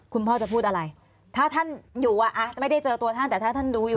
คุณพ่อจะพูดอะไรถ้าท่านอยู่อ่ะไม่ได้เจอตัวท่านแต่ถ้าท่านดูอยู่